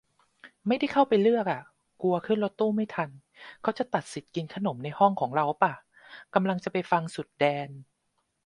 ไม่ได้เข้าไปเลือกอ่ะ กลัวขึ้นรถตู้ไม่ทัน เขาจะตัดสิทธิกินขนมในห้องของเราอ๊ะป่ะ กำลังจะไปฟังสุดแดน